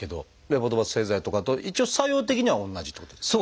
レボドパ製剤とかと一応作用的には同じっていうことですか？